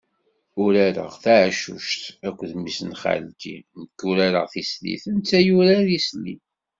Urareɣ taɛcuct akked mmi-s n xalti, nek urareɣ tislit netta yurar isli.